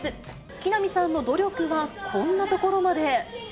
木南さんの努力はこんなところまで。